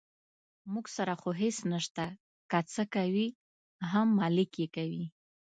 موږ سره خو هېڅ نشته، که څه کوي هم ملک یې کوي.